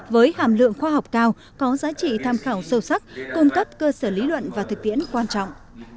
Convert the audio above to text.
với hàm lượng khoa học cao có giá trị tham khảo sâu sắc cung cấp cơ sở lý luận và thực tiễn quan trọng